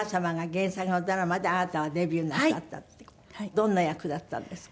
どんな役だったんですか？